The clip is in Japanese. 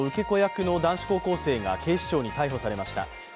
子役の男子高校生が警視庁に逮捕されました。